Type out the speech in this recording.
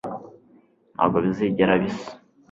Ntabwo bizigera bisa